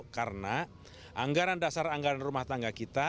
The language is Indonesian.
karena anggaran dasar anggaran rumah tangga kita